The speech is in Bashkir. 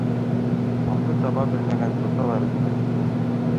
Малды таба белмәгән тота ла белмәҫ.